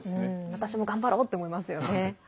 私も頑張ろうって思いますよね。